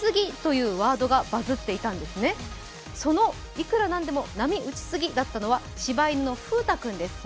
「いくらなんでも波打ちすぎ」だったのは、しば犬のふう太君です。